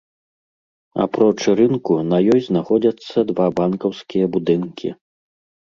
Апроч рынку, на ёй знаходзяцца два банкаўскія будынкі.